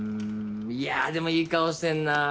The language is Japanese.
いやあでもいい顔してんなあ。